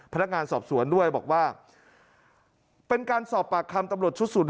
พนักงานสอบสวนด้วยบอกว่าเป็นการสอบปากคำตำรวจชุดสุด